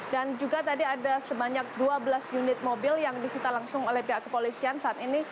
dan juga tadi ada sebanyak dua belas unit mobil yang disita langsung oleh pihak kepolisian saat ini